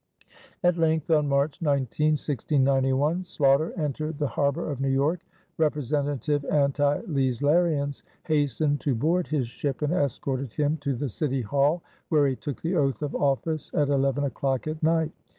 At length on March 19, 1691, Sloughter entered the harbor of New York. Representative anti Leislerians hastened to board his ship and escorted him to the City Hall, where he took the oath of office at eleven o'clock at night.